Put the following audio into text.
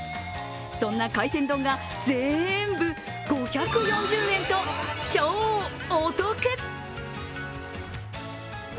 そんな海鮮丼が全部５４０円と超お得！